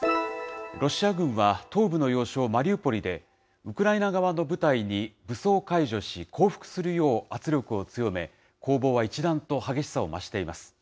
ロシア軍は、東部の要衝マリウポリで、ウクライナ側の部隊に武装解除し、降伏するよう圧力を強め、攻防は一段と激しさを増しています。